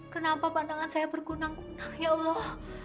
kenapa pandangan saya bergunang gunang ya allah